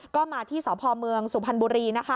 ก็มาที่สพเมืองสุพันภบุรี